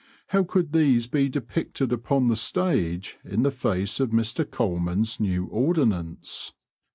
How could these be depicted upon the stage in the face of Mr. Colman's new ordinance?